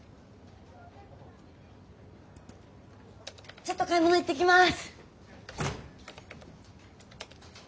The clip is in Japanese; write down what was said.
ちょっと買い物行ってきます！